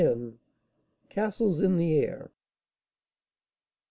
CASTLES IN THE AIR.